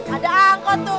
ada angkot tuh